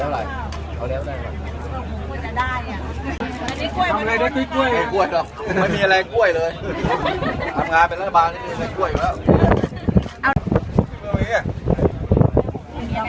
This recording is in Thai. เวลาน้ำแหง